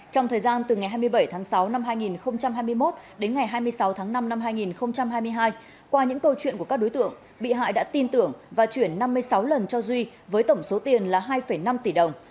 trong thời gian từ ngày hai mươi bảy tháng sáu năm hai nghìn hai mươi một đến ngày hai mươi sáu tháng năm năm hai nghìn hai mươi hai qua những câu chuyện của các đối tượng bị hại đã tin tưởng và chuyển năm mươi sáu lần cho duy với tổng số tiền là hai năm tỷ đồng